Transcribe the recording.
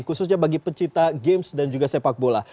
khususnya bagi pencipta games dan juga sepak bola